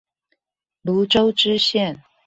蘆洲支線